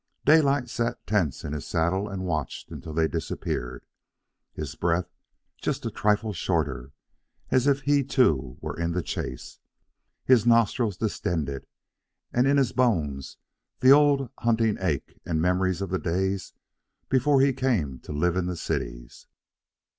Daylight sat tense in his saddle and watched until they disappeared, his breath just a trifle shorter, as if he, too, were in the chase, his nostrils distended, and in his bones the old hunting ache and memories of the days before he came to live in cities.